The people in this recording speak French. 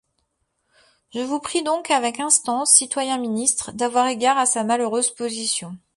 Je vous prie donc avec instance, citoyen Ministre, d'avoir égard à sa malheureuse position.